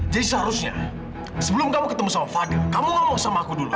jadi seharusnya sebelum kamu ketemu sama fadil kamu ngomong sama aku dulu